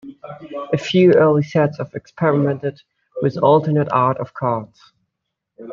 A few early sets experimented with alternate art for cards.